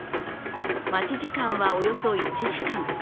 待ち時間はおよそ１時間。